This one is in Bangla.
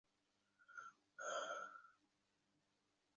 বাস্তবিক পক্ষে একজনও এই দৃশ্যজগতের অতীত কিছুর ধারণা করিতে পারে কিনা, সন্দেহ।